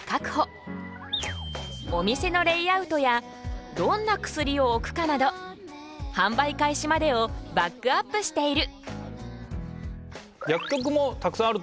お店のレイアウトやどんな薬を置くかなど販売開始までをバックアップしている。